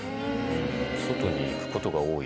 外に行くことが多い。